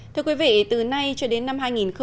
thưa quý vị từ nay cho đến năm hai nghìn hai mươi